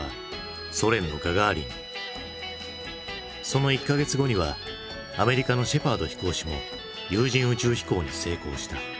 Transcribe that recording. その１か月後にはアメリカのシェパード飛行士も有人宇宙飛行に成功した。